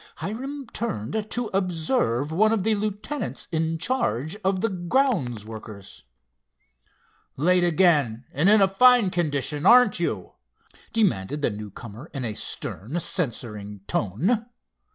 Hiram turned to observe one of the lieutenants in charge of the grounds workers. "Late again, and in a fine condition, aren't you?" demanded the newcomer in a stern, censuring tone.